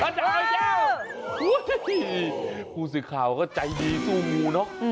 อันดังก็เยี่ยมฟูศิข่าวก็ใจดีสู้งูเนอะ